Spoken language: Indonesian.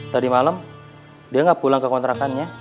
tadi malam dia nggak pulang ke kontrakannya